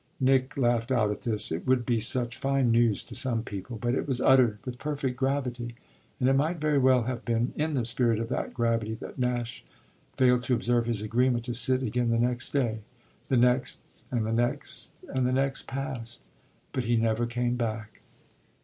Nick laughed out at this it would be such fine news to some people. But it was uttered with perfect gravity, and it might very well have been in the spirit of that gravity that Nash failed to observe his agreement to sit again the next day. The next and the next and the next passed, but he never came back.